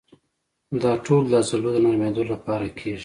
دا ټول د عضلو د نرمېدو لپاره کېږي.